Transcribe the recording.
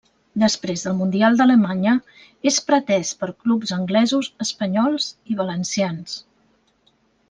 Després del Mundial d'Alemanya és pretés per clubs anglesos, espanyols i valencians.